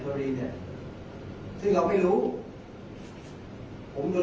แต่ว่าไม่มีปรากฏว่าถ้าเกิดคนให้ยาที่๓๑